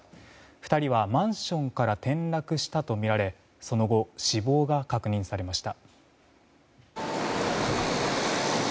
２人はマンションから転落したとみられその後、死亡が確認されました。